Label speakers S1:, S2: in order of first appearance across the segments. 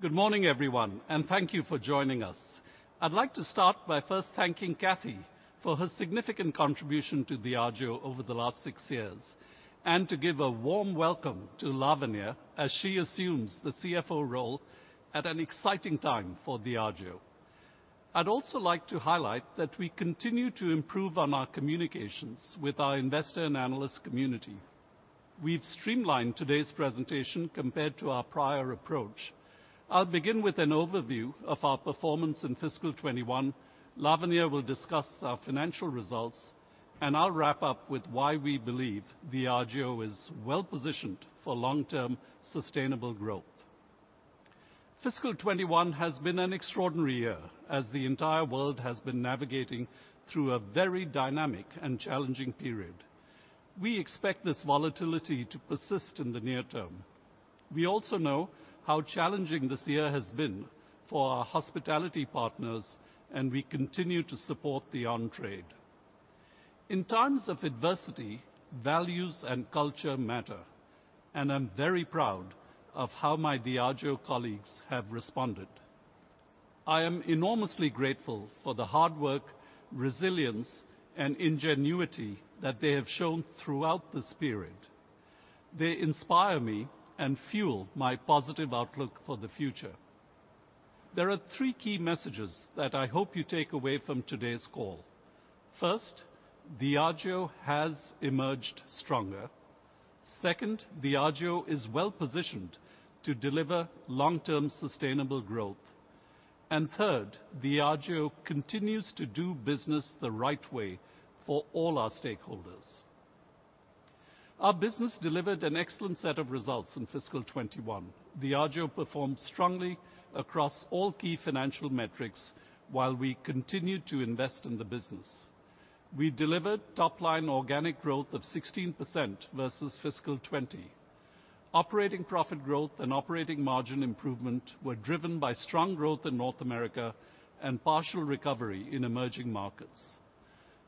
S1: Good morning, everyone, and thank you for joining us. I'd like to start by first thanking Kathy for her significant contribution to Diageo over the last six years, and to give a warm welcome to Lavanya as she assumes the CFO role at an exciting time for Diageo. I'd also like to highlight that we continue to improve on our communications with our investor and analyst community. We've streamlined today's presentation compared to our prior approach. I'll begin with an overview of our performance in fiscal 2021. Lavanya will discuss our financial results, and I'll wrap up with why we believe Diageo is well positioned for long-term sustainable growth. Fiscal 2021 has been an extraordinary year as the entire world has been navigating through a very dynamic and challenging period. We expect this volatility to persist in the near term. We also know how challenging this year has been for our hospitality partners, and we continue to support the on-trade. In times of adversity, values and culture matter, and I'm very proud of how my Diageo colleagues have responded. I am enormously grateful for the hard work, resilience, and ingenuity that they have shown throughout this period. They inspire me and fuel my positive outlook for the future. There are three key messages that I hope you take away from today's call. First, Diageo has emerged stronger. Second, Diageo is well positioned to deliver long-term sustainable growth. Third, Diageo continues to do business the right way for all our stakeholders. Our business delivered an excellent set of results in fiscal 2021. Diageo performed strongly across all key financial metrics while we continued to invest in the business. We delivered top-line organic growth of 16% versus fiscal 2020. Operating profit growth and operating margin improvement were driven by strong growth in North America and partial recovery in emerging markets.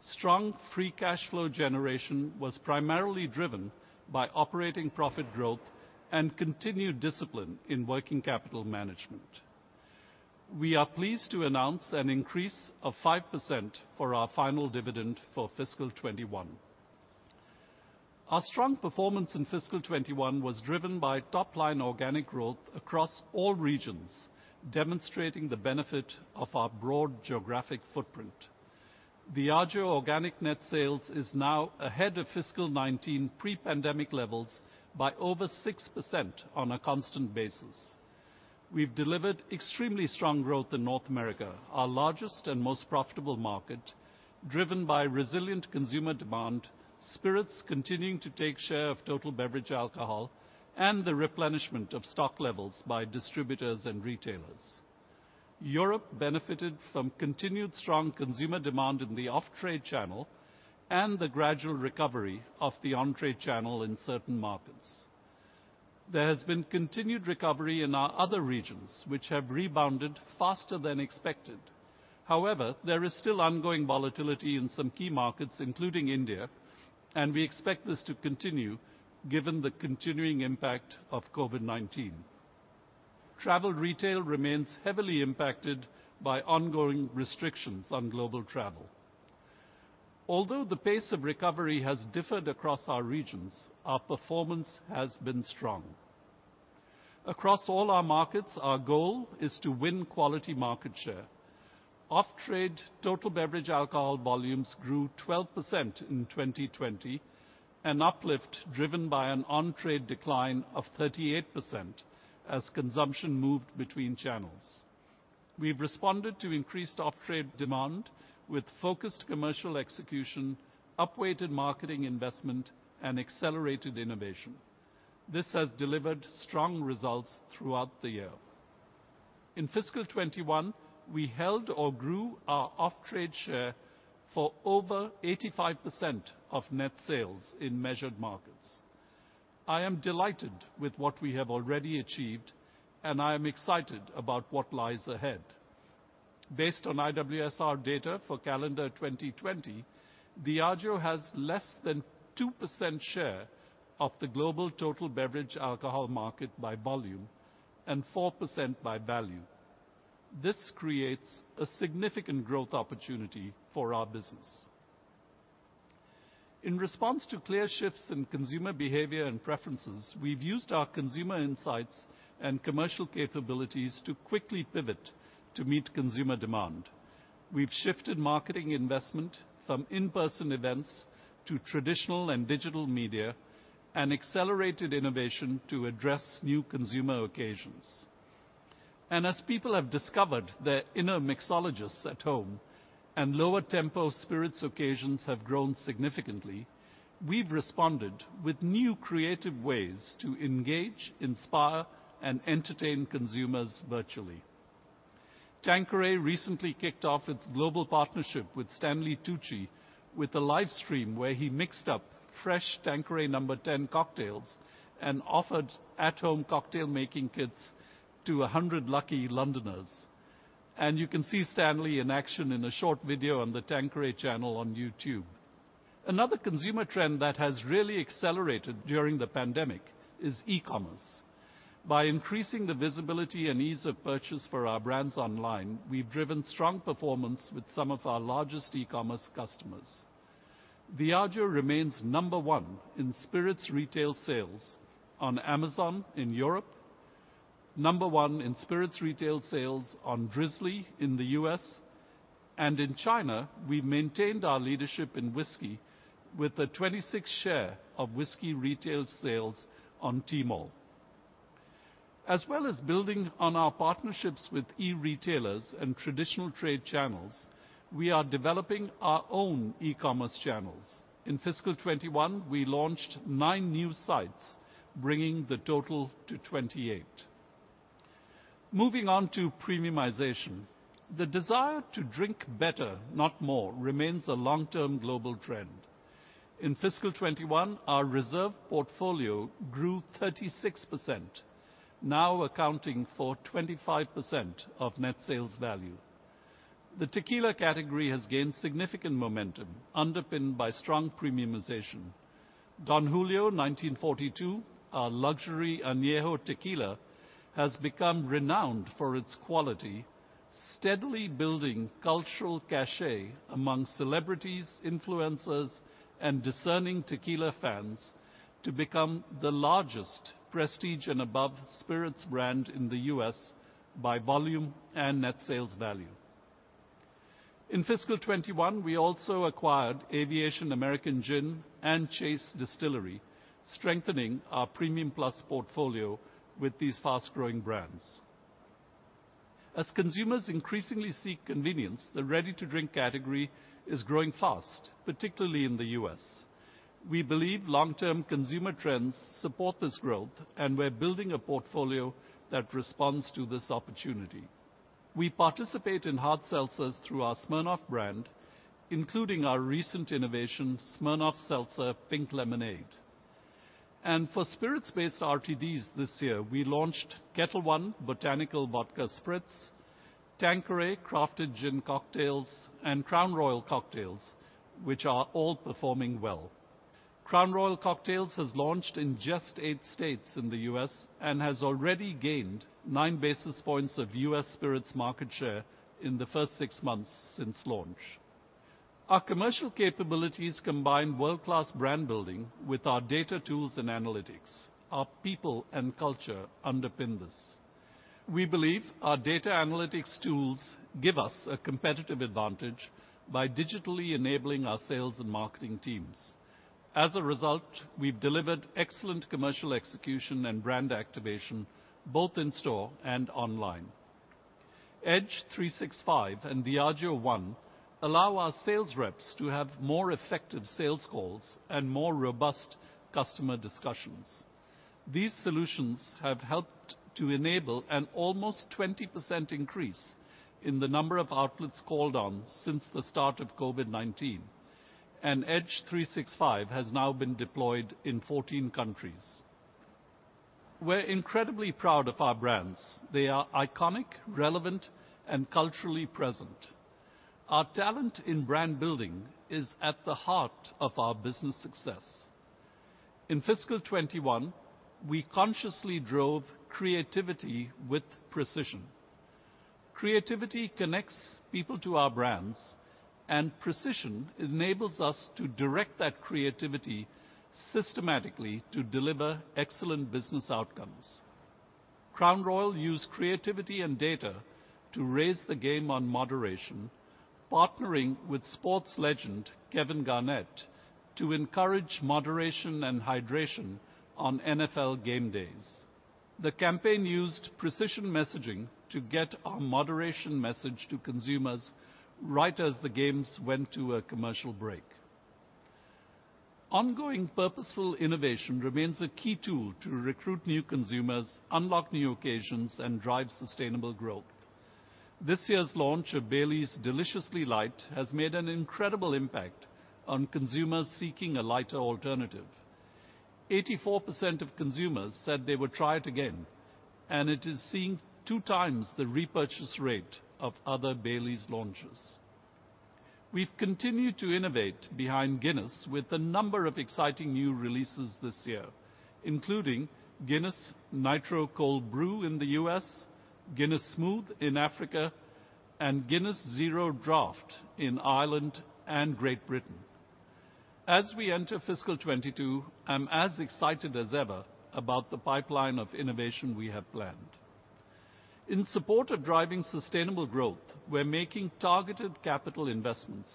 S1: Strong free cash flow generation was primarily driven by operating profit growth and continued discipline in working capital management. We are pleased to announce an increase of 5% for our final dividend for fiscal 2021. Our strong performance in fiscal 2021 was driven by top-line organic growth across all regions, demonstrating the benefit of our broad geographic footprint. Diageo organic net sales is now ahead of fiscal 2019 pre-pandemic levels by over 6% on a constant basis. We've delivered extremely strong growth in North America, our largest and most profitable market, driven by resilient consumer demand, spirits continuing to take share of total beverage alcohol, and the replenishment of stock levels by distributors and retailers. Europe benefited from continued strong consumer demand in the off-trade channel and the gradual recovery of the on-trade channel in certain markets. There has been continued recovery in our other regions, which have rebounded faster than expected. There is still ongoing volatility in some key markets, including India, and we expect this to continue given the continuing impact of COVID-19. Travel retail remains heavily impacted by ongoing restrictions on global travel. Although the pace of recovery has differed across our regions, our performance has been strong. Across all our markets, our goal is to win quality market share. Off-trade total beverage alcohol volumes grew 12% in 2020, an uplift driven by an on-trade decline of 38% as consumption moved between channels. We've responded to increased off-trade demand with focused commercial execution, upweighted marketing investment, and accelerated innovation. This has delivered strong results throughout the year. In fiscal 2021, we held or grew our off-trade share for over 85% of net sales in measured markets. I am delighted with what we have already achieved, and I am excited about what lies ahead. Based on IWSR data for calendar 2020, Diageo has less than 2% share of the global total beverage alcohol market by volume and 4% by value. This creates a significant growth opportunity for our business. In response to clear shifts in consumer behavior and preferences, we've used our consumer insights and commercial capabilities to quickly pivot to meet consumer demand. We've shifted marketing investment from in-person events to traditional and digital media and accelerated innovation to address new consumer occasions. As people have discovered their inner mixologists at home and lower tempo spirits occasions have grown significantly, we've responded with new creative ways to engage, inspire, and entertain consumers virtually. Tanqueray recently kicked off its global partnership with Stanley Tucci with a live stream where he mixed up fresh Tanqueray Nº TEN cocktails and offered at-home cocktail making kits to 100 lucky Londoners. You can see Stanley in action in a short video on the Tanqueray channel on YouTube. Another consumer trend that has really accelerated during the pandemic is e-commerce. By increasing the visibility and ease of purchase for our brands online, we've driven strong performance with some of our largest e-commerce customers. Diageo remains number one in spirits retail sales on Amazon in Europe, number one in spirits retail sales on Drizly in the U.S., and in China, we maintained our leadership in whiskey with a 26% share of whiskey retail sales on Tmall. As well as building on our partnerships with e-retailers and traditional trade channels, we are developing our own e-commerce channels. In fiscal 2021, we launched nine new sites, bringing the total to 28. Moving on to premiumization. The desire to drink better, not more, remains a long-term global trend. In fiscal 2021, our reserve portfolio grew 36%, now accounting for 25% of net sales value. The tequila category has gained significant momentum underpinned by strong premiumization. Don Julio 1942, our luxury añejo tequila, has become renowned for its quality, steadily building cultural cachet among celebrities, influencers, and discerning tequila fans to become the largest prestige and above spirits brand in the U.S. by volume and net sales value. In fiscal 2021, we also acquired Aviation American Gin and Chase Distillery, strengthening our premium plus portfolio with these fast-growing brands. As consumers increasingly seek convenience, the ready-to-drink category is growing fast, particularly in the U.S. We believe long-term consumer trends support this growth, and we're building a portfolio that responds to this opportunity. We participate in hard seltzers through our Smirnoff brand, including our recent innovation, Smirnoff Seltzer Pink Lemonade. For spirits-based RTDs this year, we launched Ketel One Botanical Vodka Spritz, Tanqueray Crafted Gin Cocktails, and Crown Royal Cocktails, which are all performing well. Crown Royal Cocktails has launched in just eight states in the U.S. and has already gained 9 basis points of U.S. spirits market share in the first six months since launch. Our commercial capabilities combine world-class brand building with our data tools and analytics. Our people and culture underpin this. We believe our data analytics tools give us a competitive advantage by digitally enabling our sales and marketing teams. As a result, we've delivered excellent commercial execution and brand activation both in store and online. EDGE365 and Diageo One allow our sales reps to have more effective sales calls and more robust customer discussions. These solutions have helped to enable an almost 20% increase in the number of outlets called on since the start of COVID-19, and EDGE365 has now been deployed in 14 countries. We're incredibly proud of our brands. They are iconic, relevant, and culturally present. Our talent in brand building is at the heart of our business success. In fiscal 2021, we consciously drove creativity with precision. Creativity connects people to our brands, and precision enables us to direct that creativity systematically to deliver excellent business outcomes. Crown Royal used creativity and data to raise the game on moderation, partnering with sports legend Kevin Garnett to encourage moderation and hydration on NFL game days. The campaign used precision messaging to get our moderation message to consumers right as the games went to a commercial break. Ongoing purposeful innovation remains a key tool to recruit new consumers, unlock new occasions, and drive sustainable growth. This year's launch of Baileys Deliciously Light has made an incredible impact on consumers seeking a lighter alternative. 84% of consumers said they would try it again, and it is seeing two times the repurchase rate of other Baileys launches. We've continued to innovate behind Guinness with a number of exciting new releases this year, including Guinness Nitro Cold Brew Coffee in the U.S., Guinness Smooth in Africa, and Guinness 0.0 in Ireland and Great Britain. As we enter fiscal 2022, I'm as excited as ever about the pipeline of innovation we have planned. In support of driving sustainable growth, we're making targeted capital investments,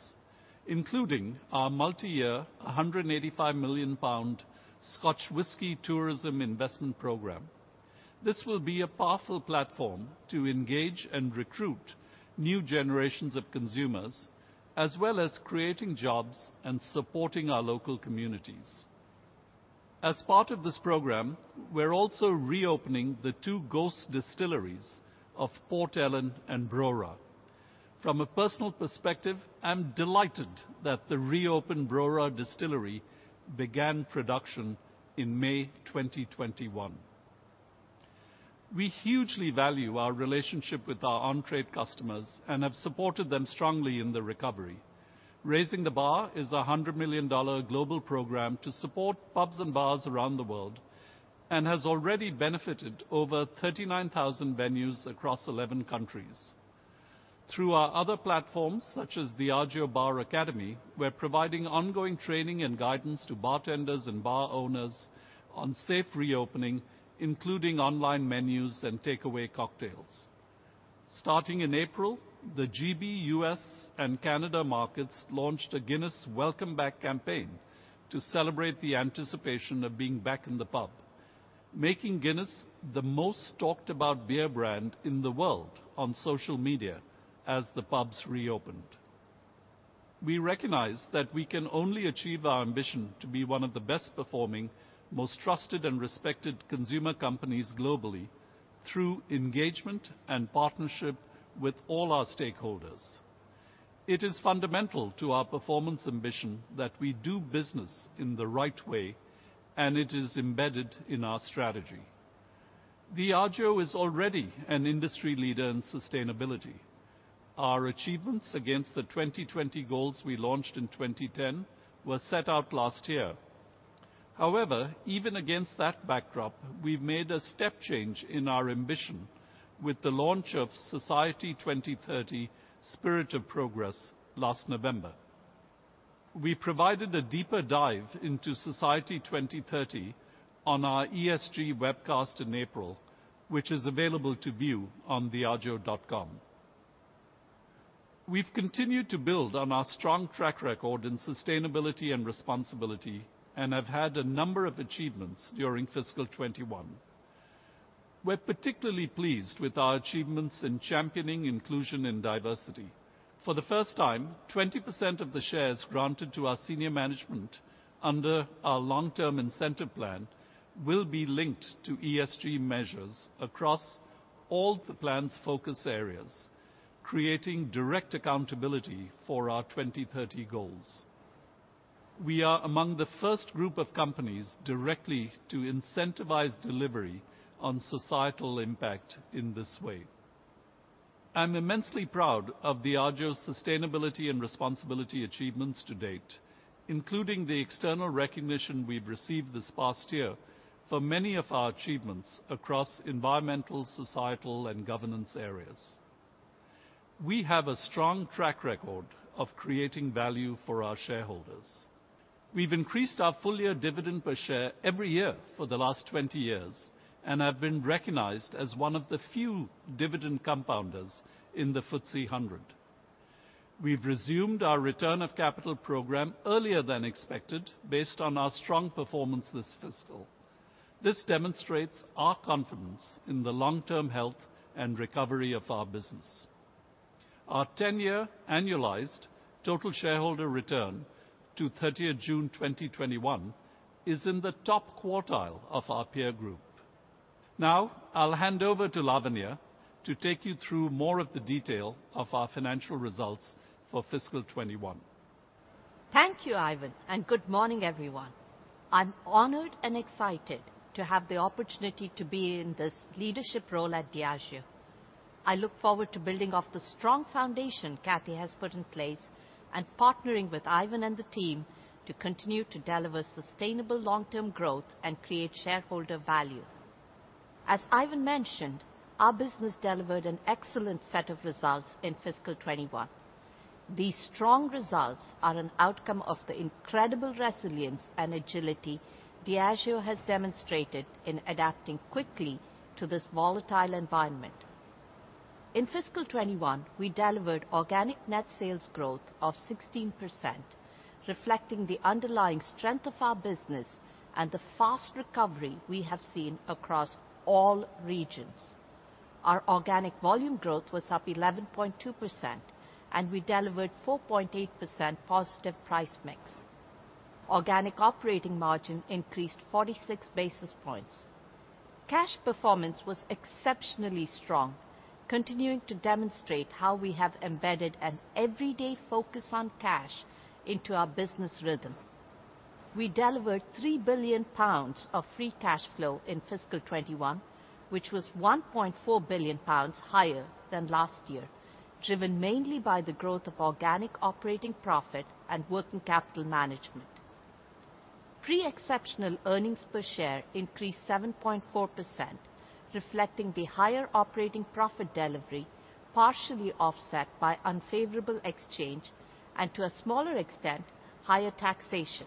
S1: including our multi-year, 185 million pound Scotch whisky tourism investment program. This will be a powerful platform to engage and recruit new generations of consumers, as well as creating jobs and supporting our local communities. As part of this program, we're also reopening the two ghost distilleries of Port Ellen and Brora. From a personal perspective, I'm delighted that the reopened Brora distillery began production in May 2021. We hugely value our relationship with our on-trade customers and have supported them strongly in their recovery. Raising the Bar is a $100 million global program to support pubs and bars around the world, and has already benefited over 39,000 venues across 11 countries. Through our other platforms, such as Diageo Bar Academy, we're providing ongoing training and guidance to bartenders and bar owners on safe reopening, including online menus and takeaway cocktails. Starting in April, the G.B., U.S., and Canada markets launched a Guinness Welcome Back campaign to celebrate the anticipation of being back in the pub, making Guinness the most talked about beer brand in the world on social media as the pubs reopened. We recognize that we can only achieve our ambition to be one of the best performing, most trusted and respected consumer companies globally through engagement and partnership with all our stakeholders. It is fundamental to our performance ambition that we do business in the right way, and it is embedded in our strategy. Diageo is already an industry leader in sustainability. Our achievements against the 2020 goals we launched in 2010 were set out last year. However, even against that backdrop, we've made a step change in our ambition with the launch of Society 2030: Spirit of Progress last November. We provided a deeper dive into Society 2030 on our ESG webcast in April, which is available to view on diageo.com. We've continued to build on our strong track record in sustainability and responsibility and have had a number of achievements during fiscal 2021. We're particularly pleased with our achievements in championing inclusion and diversity. For the first time, 20% of the shares granted to our senior management under our long-term incentive plan will be linked to ESG measures across all the plan's focus areas, creating direct accountability for our 2030 goals. We are among the first group of companies directly to incentivize delivery on societal impact in this way. I'm immensely proud of Diageo's sustainability and responsibility achievements to date, including the external recognition we've received this past year for many of our achievements across environmental, societal, and governance areas. We have a strong track record of creating value for our shareholders. We've increased our full-year dividend per share every year for the last 20 years and have been recognized as one of the few dividend compounders in the FTSE 100. We've resumed our return of capital program earlier than expected based on our strong performance this fiscal. This demonstrates our confidence in the long-term health and recovery of our business. Our 10-year annualized total shareholder return to 30th June 2021 is in the top quartile of our peer group. I'll hand over to Lavanya to take you through more of the detail of our financial results for fiscal 2021.
S2: Thank you, Ivan. Good morning, everyone. I'm honored and excited to have the opportunity to be in this leadership role at Diageo. I look forward to building off the strong foundation Kathy has put in place, and partnering with Ivan and the team to continue to deliver sustainable long-term growth and create shareholder value. As Ivan mentioned, our business delivered an excellent set of results in fiscal 2021. These strong results are an outcome of the incredible resilience and agility Diageo has demonstrated in adapting quickly to this volatile environment. In fiscal 2021, we delivered organic net sales growth of 16%, reflecting the underlying strength of our business and the fast recovery we have seen across all regions. Our organic volume growth was up 11.2%, and we delivered 4.8% positive price mix. Organic operating margin increased 46 basis points. Cash performance was exceptionally strong, continuing to demonstrate how we have embedded an everyday focus on cash into our business rhythm. We delivered 3 billion pounds of free cash flow in fiscal 2021, which was 1.4 billion pounds higher than last year, driven mainly by the growth of organic operating profit and working capital management. Pre-exceptional earnings per share increased 7.4%, reflecting the higher operating profit delivery, partially offset by unfavorable exchange and, to a smaller extent, higher taxation.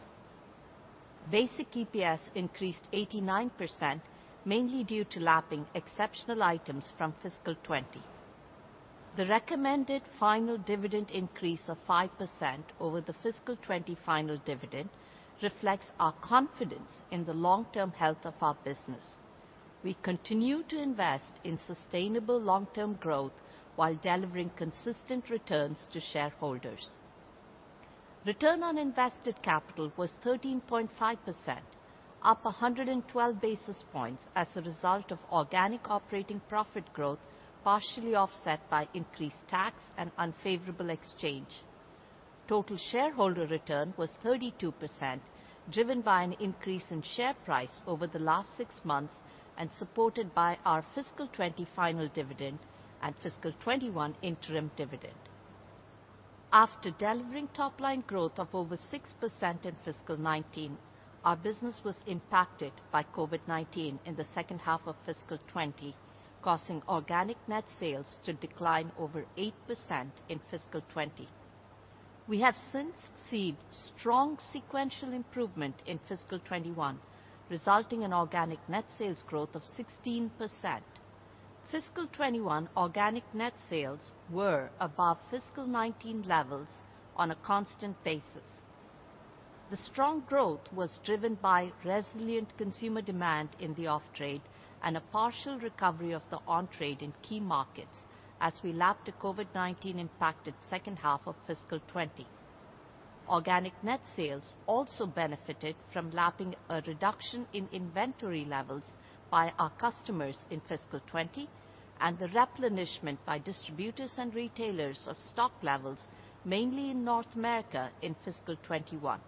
S2: Basic EPS increased 89%, mainly due to lapping exceptional items from fiscal 2020. The recommended final dividend increase of 5% over the fiscal 2020 final dividend reflects our confidence in the long-term health of our business. We continue to invest in sustainable long-term growth while delivering consistent returns to shareholders. Return on invested capital was 13.5%, up 112 basis points as a result of organic operating profit growth, partially offset by increased tax and unfavorable exchange. Total shareholder return was 32%, driven by an increase in share price over the last six months and supported by our fiscal 2020 final dividend and fiscal 2021 interim dividend. After delivering top-line growth of over 6% in fiscal 2019, our business was impacted by COVID-19 in the second half of fiscal 2020, causing organic net sales to decline over 8% in fiscal 2020. We have since seen strong sequential improvement in fiscal 2021, resulting in organic net sales growth of 16%. Fiscal 2021 organic net sales were above fiscal 2019 levels on a constant basis. The strong growth was driven by resilient consumer demand in the off-trade and a partial recovery of the on-trade in key markets as we lapped a COVID-19 impacted second half of fiscal 2020. Organic net sales also benefited from lapping a reduction in inventory levels by our customers in fiscal 2020 and the replenishment by distributors and retailers of stock levels, mainly in North America in fiscal 2021.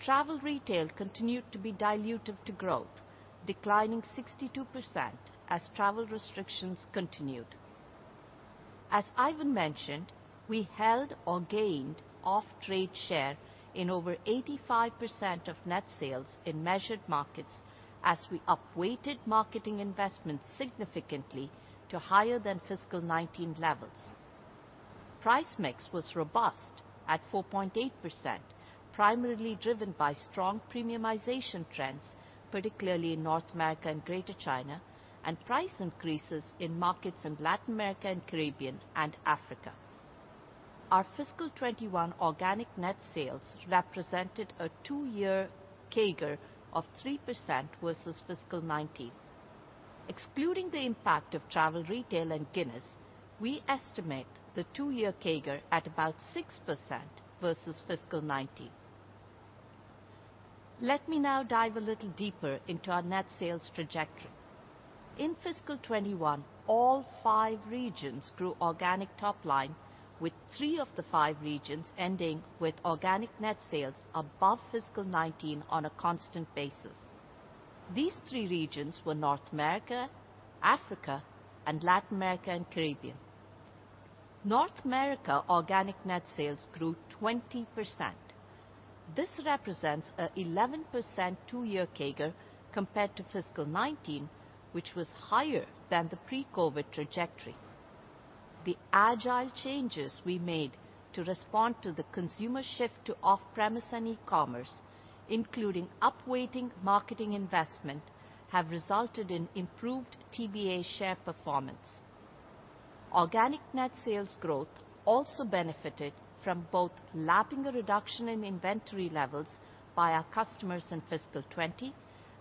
S2: Travel retail continued to be dilutive to growth, declining 62% as travel restrictions continued. As Ivan mentioned, we held or gained off-trade share in over 85% of net sales in measured markets as we upweighted marketing investments significantly to higher than fiscal 2019 levels. Price mix was robust at 4.8%, primarily driven by strong premiumisation trends, particularly in North America and Greater China, and price increases in markets in Latin America and Caribbean and Africa. Our fiscal 2021 organic net sales represented a two-year CAGR of 3% versus fiscal 2019. Excluding the impact of travel retail and Guinness, we estimate the two-year CAGR at about 6% versus fiscal 2019. Let me now dive a little deeper into our net sales trajectory. In fiscal 2021, all five regions grew organic top line, with three of the five regions ending with organic net sales above fiscal 2019 on a constant basis. These three regions were North America, Africa, and Latin America and Caribbean. North America organic net sales grew 20%. This represents an 11% two-year CAGR compared to fiscal 2019, which was higher than the pre-COVID trajectory. The agile changes we made to respond to the consumer shift to off-premise and e-commerce, including upweighting marketing investment, have resulted in improved TBA share performance. Organic net sales growth also benefited from both lapping a reduction in inventory levels by our customers in fiscal 2020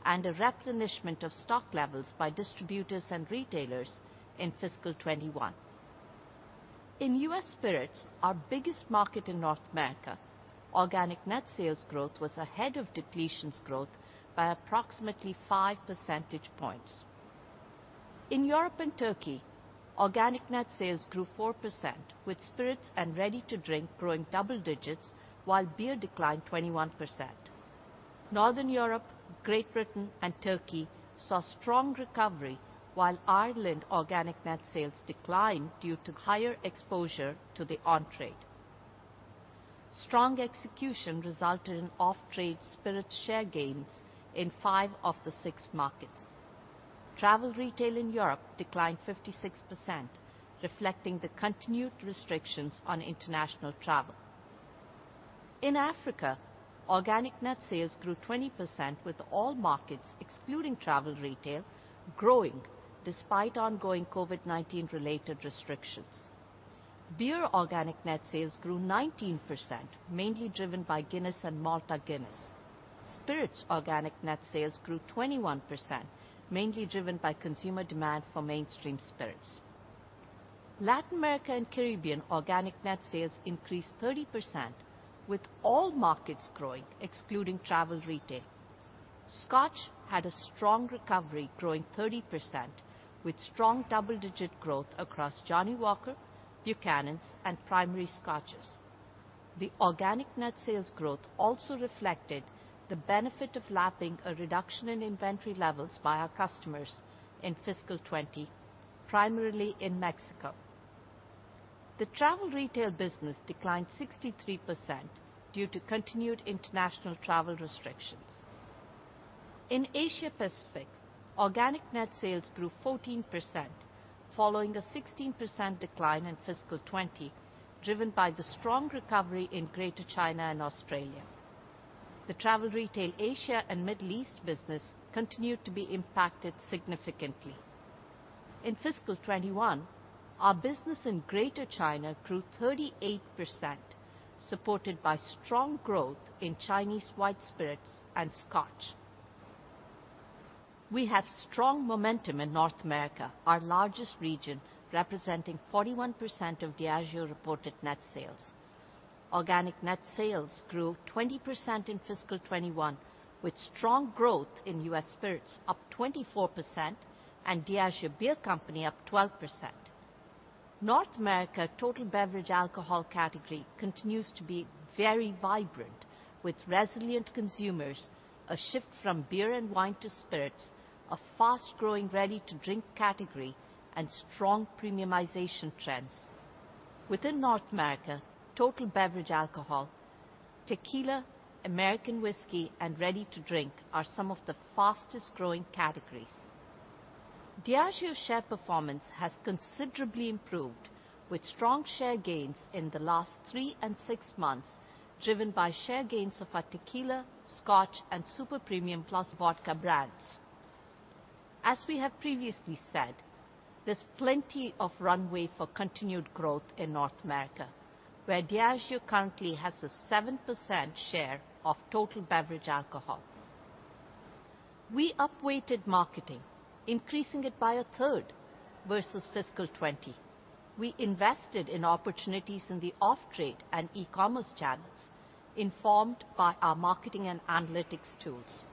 S2: and a replenishment of stock levels by distributors and retailers in fiscal 2021. In U.S. Spirits, our biggest market in North America, organic net sales growth was ahead of depletions growth by approximately 5 percentage points. In Europe and Turkey, organic net sales grew 4%, with Spirits and Ready to Drink growing double digits, while Beer declined 21%. Northern Europe, Great Britain, and Turkey saw strong recovery, while Ireland organic net sales declined due to higher exposure to the on-trade. Strong execution resulted in off-trade Spirits share gains in five of the six markets. Travel retail in Europe declined 56%, reflecting the continued restrictions on international travel. In Africa, organic net sales grew 20%, with all markets excluding travel retail growing despite ongoing COVID-19-related restrictions. Beer organic net sales grew 19%, mainly driven by Guinness and Malta Guinness. Spirits organic net sales grew 21%, mainly driven by consumer demand for mainstream spirits. Latin America and Caribbean organic net sales increased 30%, with all markets growing excluding travel retail. Scotch had a strong recovery, growing 30%, with strong double-digit growth across Johnnie Walker, Buchanan's, and primary Scotches. The organic net sales growth also reflected the benefit of lapping a reduction in inventory levels by our customers in fiscal 2020, primarily in Mexico. The travel retail business declined 63% due to continued international travel restrictions. In Asia-Pacific, organic net sales grew 14%, following a 16% decline in fiscal 2020, driven by the strong recovery in Greater China and Australia. The travel retail Asia and Middle East business continued to be impacted significantly. In fiscal 2021, our business in Greater China grew 38%, supported by strong growth in Chinese white spirits and Scotch. We have strong momentum in North America, our largest region, representing 41% of Diageo reported net sales. Organic net sales grew 20% in fiscal 2021, with strong growth in U.S. Spirits up 24% and Diageo Beer Company up 12%. North America total beverage alcohol category continues to be very vibrant with resilient consumers, a shift from beer and wine to spirits, a fast-growing ready-to-drink category, and strong premiumization trends. Within North America, total beverage alcohol, tequila, American whiskey, and ready-to-drink are some of the fastest growing categories. Diageo share performance has considerably improved with strong share gains in the last three and six months, driven by share gains of our tequila, Scotch, and super-premium plus vodka brands. As we have previously said, there's plenty of runway for continued growth in North America, where Diageo currently has a 7% share of total beverage alcohol. We upweighted marketing, increasing it by a third versus fiscal 2020. We invested in opportunities in the off-trade and e-commerce channels, informed by our marketing and analytics tools.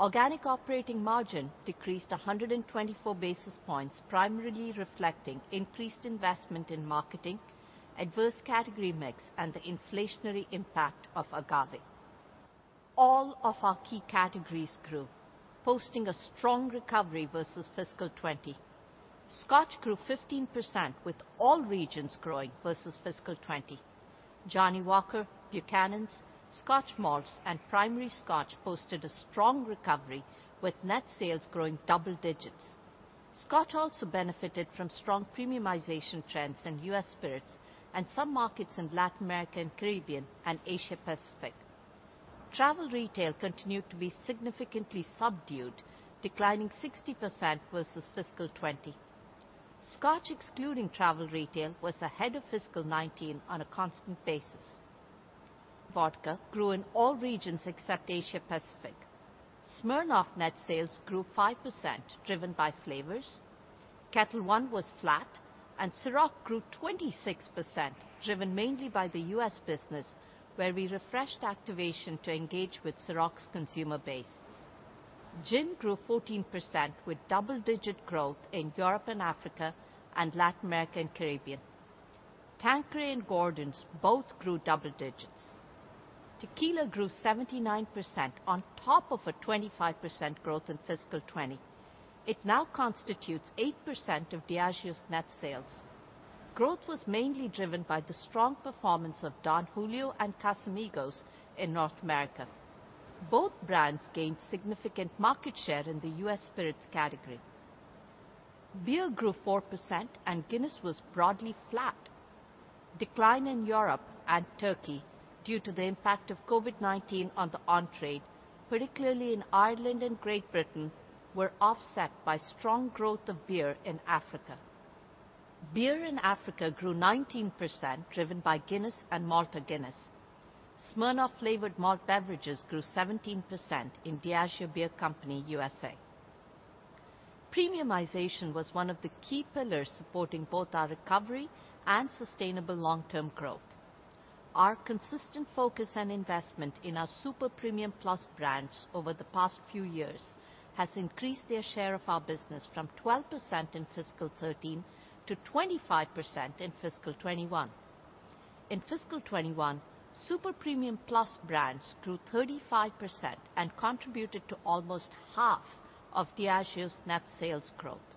S2: Organic operating margin decreased 124 basis points, primarily reflecting increased investment in marketing, adverse category mix, and the inflationary impact of agave. All of our key categories grew, posting a strong recovery versus fiscal 2020. Scotch grew 15% with all regions growing versus fiscal 2020. Johnnie Walker, Buchanan's, Scotch Malts, and Primary Scotch posted a strong recovery with net sales growing double digits. Scotch also benefited from strong premiumization trends in U.S. Spirits and some markets in Latin America and Caribbean and Asia-Pacific. Travel retail continued to be significantly subdued, declining 60% versus fiscal 2020. Scotch, excluding travel retail, was ahead of fiscal 2019 on a constant basis. Vodka grew in all regions except Asia-Pacific. Smirnoff net sales grew 5%, driven by flavors. Ketel One was flat, and Cîroc grew 26%, driven mainly by the U.S. business, where we refreshed activation to engage with Cîroc's consumer base. Gin grew 14% with double-digit growth in Europe and Africa and Latin America and Caribbean. Tanqueray and Gordon's both grew double digits. Tequila grew 79% on top of a 25% growth in fiscal 2020. It now constitutes 8% of Diageo's net sales. Growth was mainly driven by the strong performance of Don Julio and Casamigos in North America. Both brands gained significant market share in the U.S. Spirits category. Beer grew 4%, and Guinness was broadly flat. Decline in Europe and Turkey due to the impact of COVID-19 on the on-trade, particularly in Ireland and Great Britain, were offset by strong growth of beer in Africa. Beer in Africa grew 19%, driven by Guinness and Malta Guinness. Smirnoff flavored malt beverages grew 17% in Diageo Beer Company U.S.A. Premiumization was one of the key pillars supporting both our recovery and sustainable long-term growth. Our consistent focus and investment in our super premium plus brands over the past few years has increased their share of our business from 12% in fiscal 2013 to 25% in fiscal 2021. In fiscal 2021, super premium plus brands grew 35% and contributed to almost half of Diageo's net sales growth.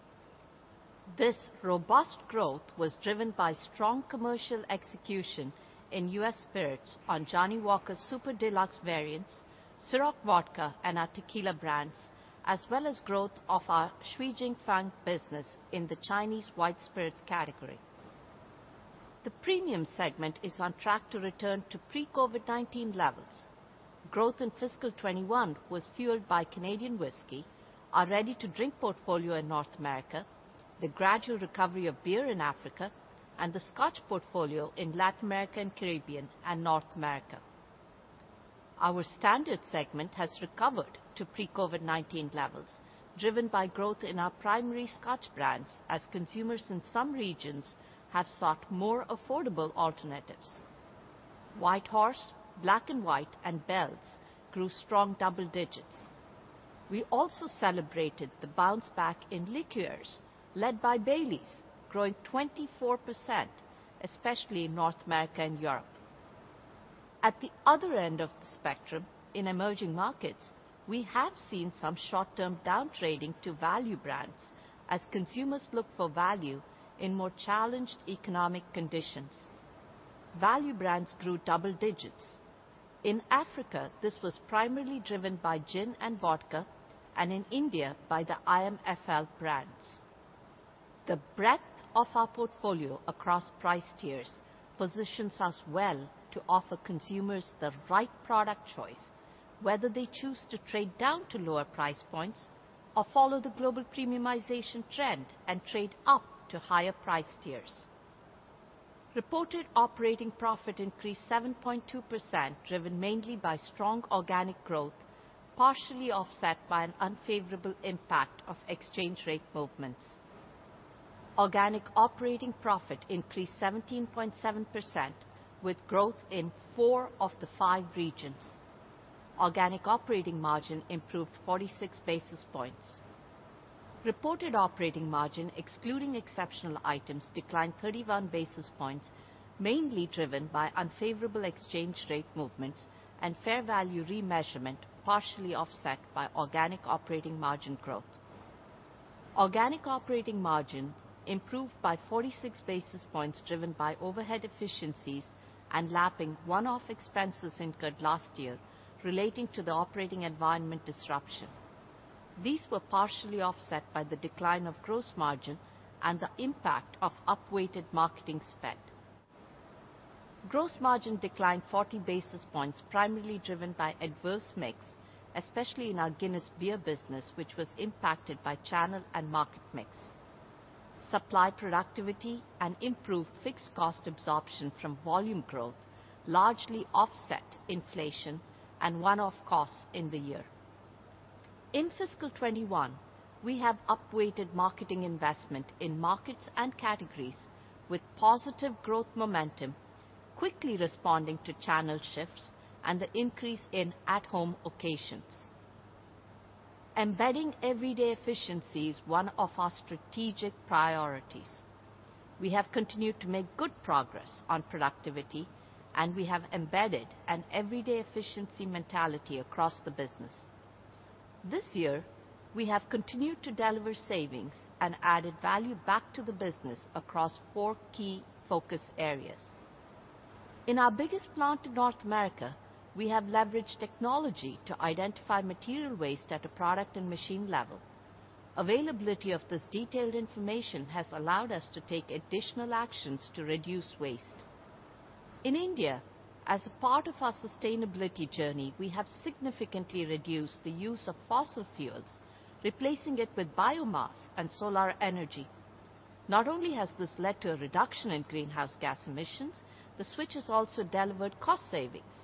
S2: This robust growth was driven by strong commercial execution in U.S. Spirits on Johnnie Walker super deluxe variants, Cîroc Vodka, and our Tequila brands, as well as growth of our Shui Jing Fang business in the Chinese white spirits category. The premium segment is on track to return to pre-COVID-19 levels. Growth in fiscal 2021 was fueled by Canadian whisky, our ready-to-drink portfolio in North America, the gradual recovery of beer in Africa, and the Scotch portfolio in Latin America and Caribbean and North America. Our standard segment has recovered to pre-COVID-19 levels, driven by growth in our primary Scotch brands as consumers in some regions have sought more affordable alternatives. White Horse, Black & White, and Bell's grew strong double digits. We also celebrated the bounce back in liqueurs led by Baileys, growing 24%, especially in North America and Europe. At the other end of the spectrum, in emerging markets, we have seen some short-term downtrading to value brands as consumers look for value in more challenged economic conditions. Value brands grew double digits. In Africa, this was primarily driven by gin and vodka, and in India by the IMFL brands. The breadth of our portfolio across price tiers positions us well to offer consumers the right product choice, whether they choose to trade down to lower price points or follow the global premiumization trend and trade up to higher price tiers. Reported operating profit increased 7.2%, driven mainly by strong organic growth, partially offset by an unfavorable impact of exchange rate movements. Organic operating profit increased 17.7% with growth in four of the five regions. Organic operating margin improved 46 basis points. Reported operating margin, excluding exceptional items, declined 31 basis points, mainly driven by unfavorable exchange rate movements and fair value remeasurement, partially offset by organic operating margin growth. Organic operating margin improved by 46 basis points driven by overhead efficiencies and lapping one-off expenses incurred last year relating to the operating environment disruption. These were partially offset by the decline of gross margin and the impact of upweighted marketing spend. Gross margin declined 40 basis points, primarily driven by adverse mix, especially in our Guinness beer business, which was impacted by channel and market mix. Supply productivity and improved fixed cost absorption from volume growth largely offset inflation and one-off costs in the year. In fiscal 2021, we have upweighted marketing investment in markets and categories with positive growth momentum, quickly responding to channel shifts and the increase in at-home occasions. Embedding everyday efficiency is one of our strategic priorities. We have continued to make good progress on productivity, and we have embedded an everyday efficiency mentality across the business. This year, we have continued to deliver savings and added value back to the business across four key focus areas. In our biggest plant in North America, we have leveraged technology to identify material waste at a product and machine level. Availability of this detailed information has allowed us to take additional actions to reduce waste. In India, as a part of our sustainability journey, we have significantly reduced the use of fossil fuels, replacing it with biomass and solar energy. Not only has this led to a reduction in greenhouse gas emissions, the switch has also delivered cost savings.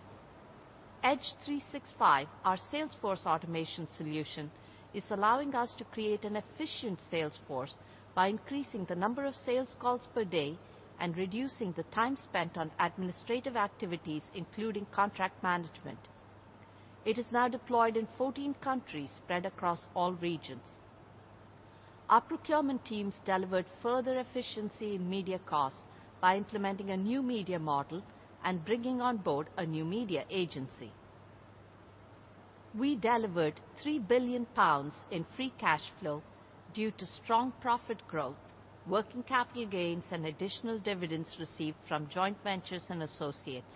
S2: EDGE365, our sales force automation solution, is allowing us to create an efficient sales force by increasing the number of sales calls per day and reducing the time spent on administrative activities, including contract management. It is now deployed in 14 countries spread across all regions. Our procurement teams delivered further efficiency in media costs by implementing a new media model and bringing on board a new media agency. We delivered 3 billion pounds in free cash flow due to strong profit growth, working capital gains, and additional dividends received from joint ventures and associates.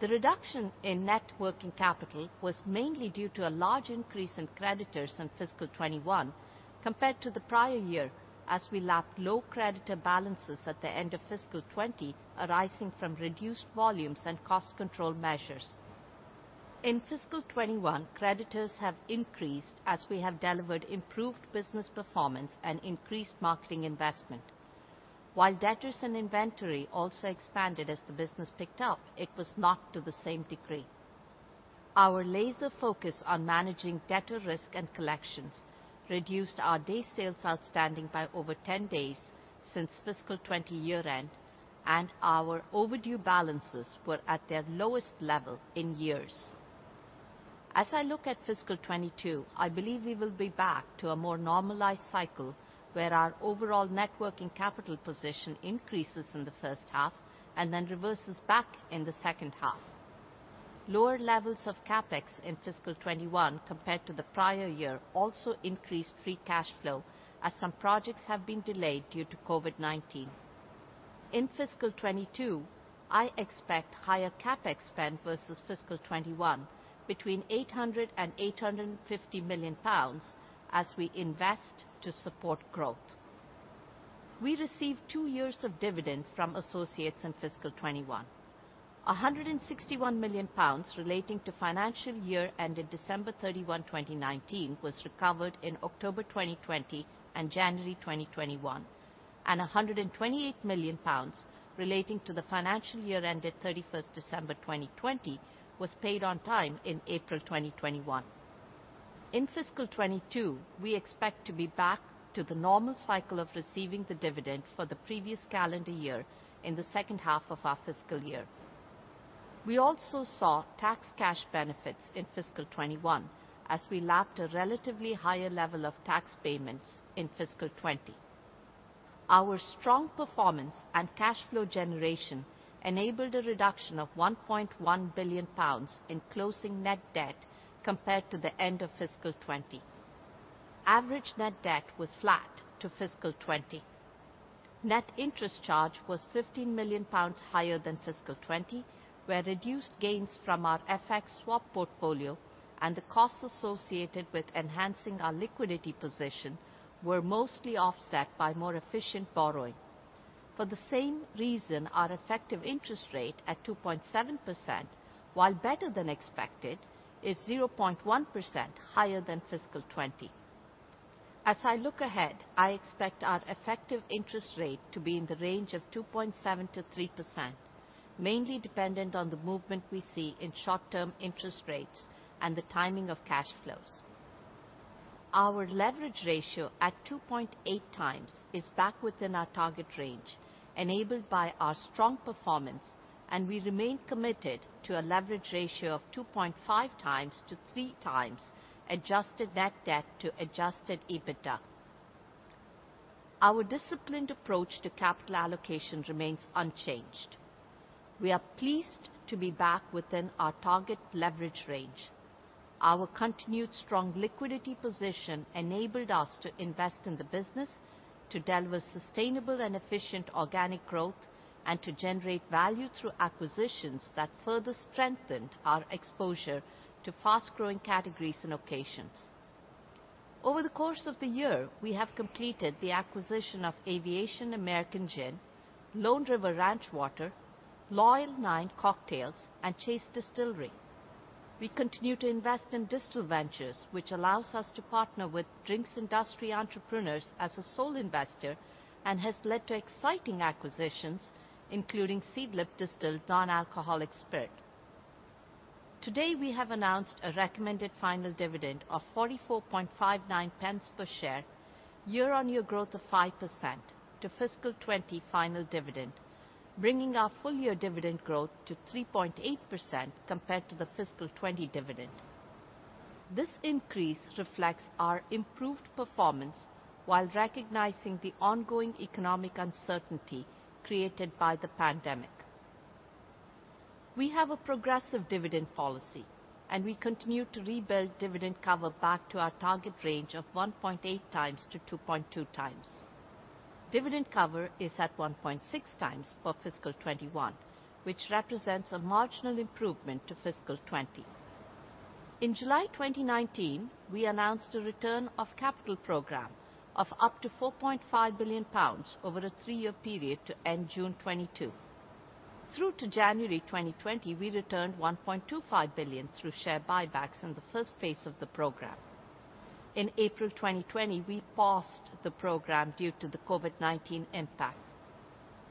S2: The reduction in net working capital was mainly due to a large increase in creditors in fiscal 2021 compared to the prior year, as we lapped low creditor balances at the end of fiscal 2020, arising from reduced volumes and cost control measures. In fiscal 2021, creditors have increased as we have delivered improved business performance and increased marketing investment. While debtors and inventory also expanded as the business picked up, it was not to the same degree. Our laser focus on managing debtor risk and collections reduced our day sales outstanding by over 10 days since fiscal 2020 year-end, and our overdue balances were at their lowest level in years. As I look at fiscal 2022, I believe we will be back to a more normalized cycle where our overall net working capital position increases in the first half and then reverses back in the second half. Lower levels of CapEx in fiscal 2021 compared to the prior year also increased free cash flow as some projects have been delayed due to COVID-19. In fiscal 2022, I expect higher CapEx spend versus fiscal 2021, between 800 million pounds and 850 million pounds as we invest to support growth. We received two years of dividends from associates in fiscal 2021. 161 million pounds relating to financial year ended December 31, 2019 was recovered in October 2020 and January 2021. 128 million pounds relating to the financial year ended December 31, 2020 was paid on time in April 2021. In fiscal 2022, we expect to be back to the normal cycle of receiving the dividend for the previous calendar year in the second half of our fiscal year. We also saw tax cash benefits in fiscal 2021 as we lapped a relatively higher level of tax payments in fiscal 2020. Our strong performance and cash flow generation enabled a reduction of 1.1 billion pounds in closing net debt compared to the end of fiscal 2020. Average net debt was flat to fiscal 2020. Net interest charge was 15 million pounds higher than fiscal 2020, where reduced gains from our FX swap portfolio and the costs associated with enhancing our liquidity position were mostly offset by more efficient borrowing. For the same reason, our effective interest rate at 2.7%, while better than expected, is 0.1% higher than fiscal 2020. As I look ahead, I expect our effective interest rate to be in the range of 2.7%-3%, mainly dependent on the movement we see in short-term interest rates and the timing of cash flows. Our leverage ratio at 2.8x is back within our target range, enabled by our strong performance, and we remain committed to a leverage ratio of 2.5x-3x adjusted net debt to adjusted EBITDA. Our disciplined approach to capital allocation remains unchanged. We are pleased to be back within our target leverage range. Our continued strong liquidity position enabled us to invest in the business to deliver sustainable and efficient organic growth, and to generate value through acquisitions that further strengthened our exposure to fast-growing categories and locations. Over the course of the year, we have completed the acquisition of Aviation American Gin, Lone River Ranch Water, Loyal 9 Cocktails, and Chase Distillery. We continue to invest in Distill Ventures, which allows us to partner with drinks industry entrepreneurs as a sole investor and has led to exciting acquisitions, including Seedlip distilled non-alcoholic spirit. Today, we have announced a recommended final dividend of 0.4459 per share, year-on-year growth of 5% to FY 2020 final dividend, bringing our full-year dividend growth to 3.8% compared to the FY 2020 dividend. This increase reflects our improved performance while recognizing the ongoing economic uncertainty created by the pandemic. We have a progressive dividend policy, and we continue to rebuild dividend cover back to our target range of 1.8x-2.2x. Dividend cover is at 1.6x for fiscal 2021, which represents a marginal improvement to fiscal 2020. In July 2019, we announced a return of capital program of up to 4.5 billion pounds over a three-year period to end June 2022. Through to January 2020, we returned 1.25 billion through share buybacks in the first phase of the program. In April 2020, we paused the program due to the COVID-19 impact.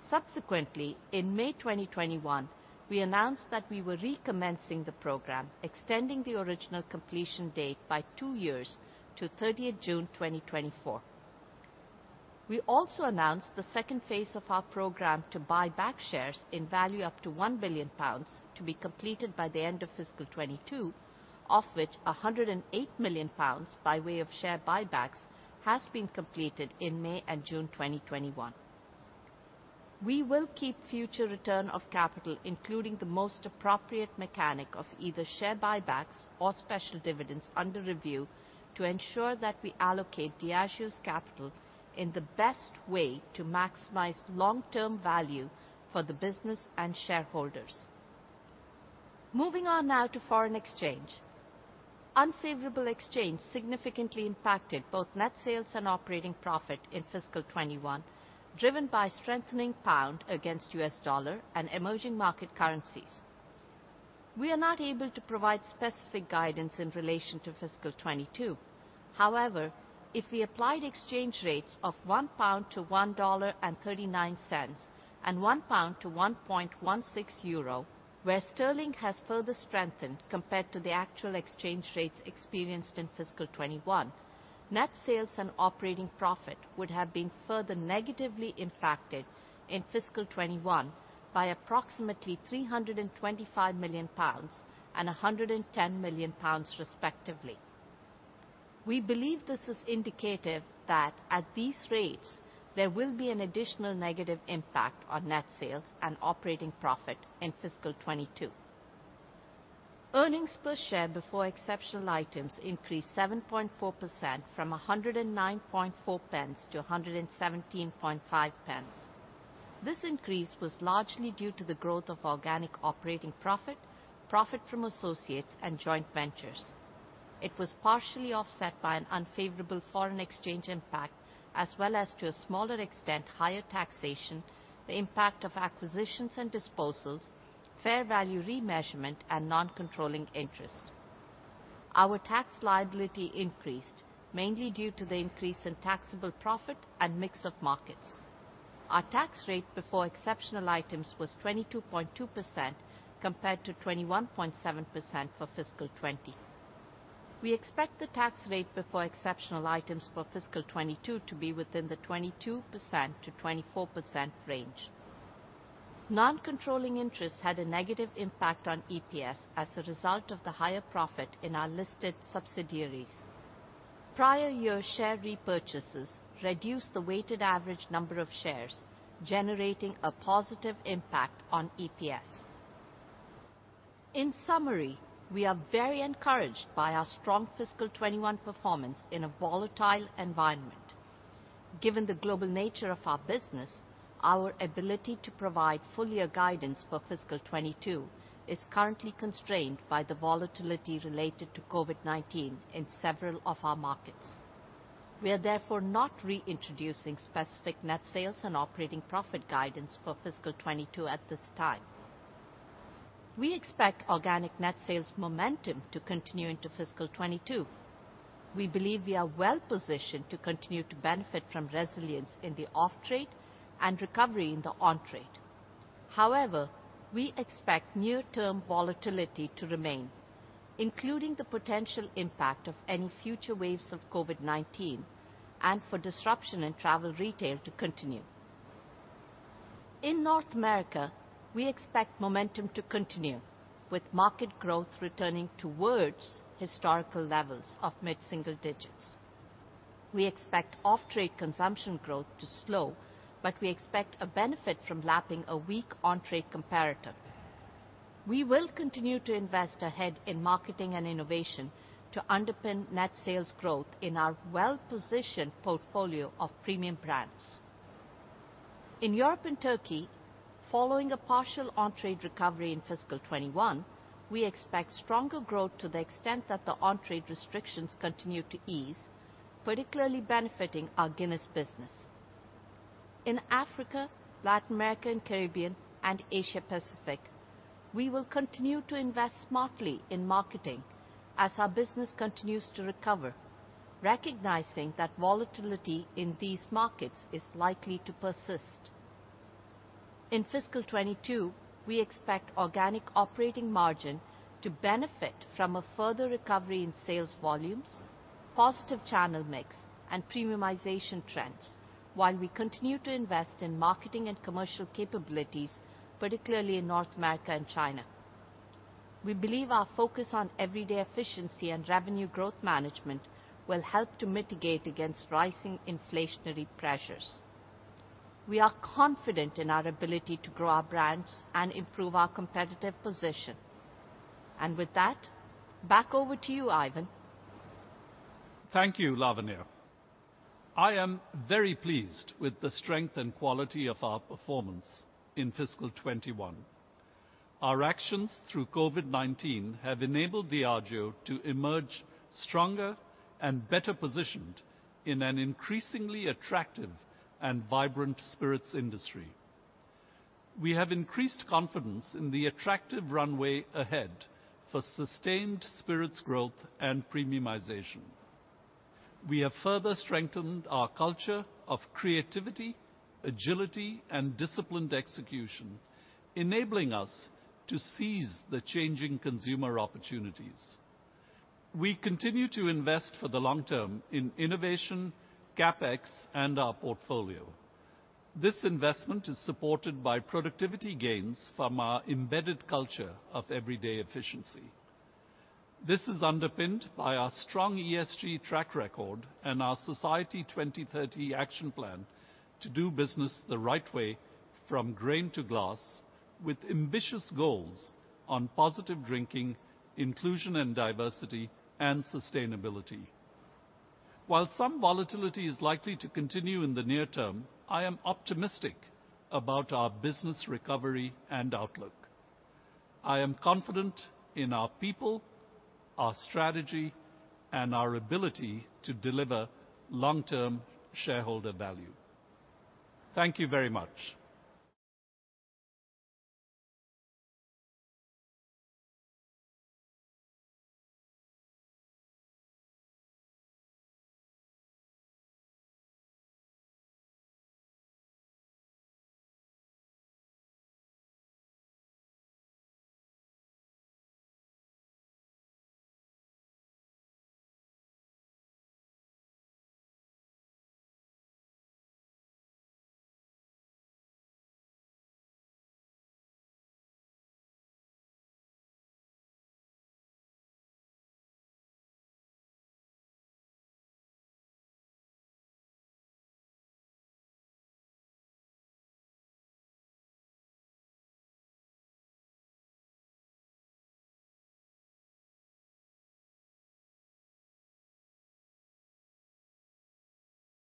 S2: Subsequently, in May 2021, we announced that we were recommencing the program, extending the original completion date by two years to 30th June 2024. We also announced the second phase of our program to buy back shares in value up to 1 billion pounds to be completed by the end of fiscal 2022, of which 108 million pounds by way of share buybacks, has been completed in May and June 2021. We will keep future return of capital, including the most appropriate mechanic of either share buybacks or special dividends under review to ensure that we allocate Diageo's capital in the best way to maximize long-term value for the business and shareholders. Moving on now to foreign exchange. Unfavorable exchange significantly impacted both net sales and operating profit in fiscal 2021, driven by strengthening pound against U.S. dollar and emerging market currencies. We are not able to provide specific guidance in relation to fiscal 2022. However, if we applied exchange rates of 1 pound to $1.39 and 1 pound to 1.16 euro, where sterling has further strengthened compared to the actual exchange rates experienced in fiscal 2021, net sales and operating profit would have been further negatively impacted in fiscal 2021 by approximately 325 million pounds and 110 million pounds respectively. We believe this is indicative that at these rates, there will be an additional negative impact on net sales and operating profit in fiscal 2022. Earnings per share before exceptional items increased 7.4% from 1.094 to 1.175. This increase was largely due to the growth of organic operating profit, profit from associates, and joint ventures. It was partially offset by an unfavorable foreign exchange impact as well as, to a smaller extent, higher taxation, the impact of acquisitions and disposals, fair value remeasurement, and non-controlling interest. Our tax liability increased mainly due to the increase in taxable profit and mix of markets. Our tax rate before exceptional items was 22.2% compared to 21.7% for fiscal 2020. We expect the tax rate before exceptional items for fiscal 2022 to be within the 22%-24% range. Non-controlling interests had a negative impact on EPS as a result of the higher profit in our listed subsidiaries. Prior-year share repurchases reduced the weighted average number of shares, generating a positive impact on EPS. In summary, we are very encouraged by our strong fiscal 2021 performance in a volatile environment. Given the global nature of our business, our ability to provide full-year guidance for fiscal 2022 is currently constrained by the volatility related to COVID-19 in several of our markets. We are therefore not reintroducing specific net sales and operating profit guidance for fiscal 2022 at this time. We expect organic net sales momentum to continue into fiscal 2022. We believe we are well positioned to continue to benefit from resilience in the off-trade and recovery in the on-trade. However, we expect near-term volatility to remain, including the potential impact of any future waves of COVID-19, and for disruption in travel retail to continue. In North America, we expect momentum to continue, with market growth returning towards historical levels of mid-single digits. We expect off-trade consumption growth to slow, but we expect a benefit from lapping a weak on-trade comparator. We will continue to invest ahead in marketing and innovation to underpin net sales growth in our well-positioned portfolio of premium brands. In Europe and Turkey, following a partial on-trade recovery in fiscal 2021, we expect stronger growth to the extent that the on-trade restrictions continue to ease, particularly benefiting our Guinness business. In Africa, Latin America and Caribbean, and Asia-Pacific, we will continue to invest smartly in marketing as our business continues to recover, recognizing that volatility in these markets is likely to persist. In fiscal 2022, we expect organic operating margin to benefit from a further recovery in sales volumes, positive channel mix, and premiumization trends while we continue to invest in marketing and commercial capabilities, particularly in North America and China. We believe our focus on everyday efficiency and revenue growth management will help to mitigate against rising inflationary pressures. We are confident in our ability to grow our brands and improve our competitive position. With that, back over to you, Ivan.
S1: Thank you, Lavanya. I am very pleased with the strength and quality of our performance in fiscal 2021. Our actions through COVID-19 have enabled Diageo to emerge stronger and better positioned in an increasingly attractive and vibrant spirits industry. We have increased confidence in the attractive runway ahead for sustained spirits growth and premiumization. We have further strengthened our culture of creativity, agility, and disciplined execution, enabling us to seize the changing consumer opportunities. We continue to invest for the long term in innovation, CapEx, and our portfolio. This investment is supported by productivity gains from our embedded culture of everyday efficiency. This is underpinned by our strong ESG track record and our Society 2030 action plan to do business the right way from grain to glass with ambitious goals on positive drinking, inclusion and diversity, and sustainability. While some volatility is likely to continue in the near term, I am optimistic about our business recovery and outlook. I am confident in our people, our strategy, and our ability to deliver long-term shareholder value. Thank you very much.